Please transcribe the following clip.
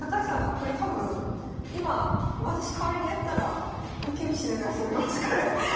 これ多分今私代わりにやったらウキウキしながら攻めますこれ。